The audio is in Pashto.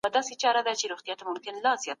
که دي چیري په هنیداره کي سړی و تېرایستلی